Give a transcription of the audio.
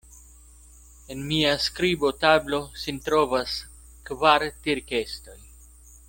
En mia skribotablo sin trovas kvar tirkestoj.